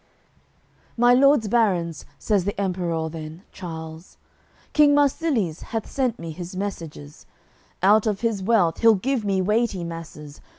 AOI. XIII "My Lords Barons," says the Emperour then, Charles, "King Marsilies hath sent me his messages; Out of his wealth he'll give me weighty masses.